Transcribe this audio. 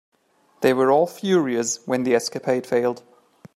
They were all furious when the escapade failed.